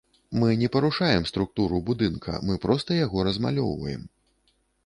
Мы не парушаем структуру будынка, мы проста яго размалёўваем.